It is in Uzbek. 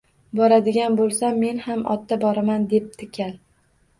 Boradigan bo‘lsam, men ham otda boraman debdi kal